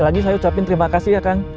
lagi saya ucapin terima kasih ya kang